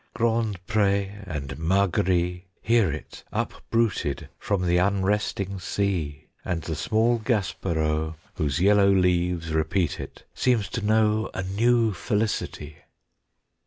Grand Pré and Margaree Hear it upbruited from the unresting sea; And the small Gaspareau, Whose yellow leaves repeat it, seems to know A new felicity.